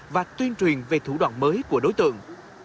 và tuyên truyền về thủ đoạn mới của đối tượng